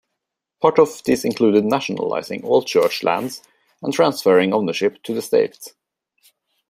Part of this included nationalizing all Church lands and transferring ownership to the state.